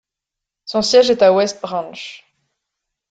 Son siège est à West Branch.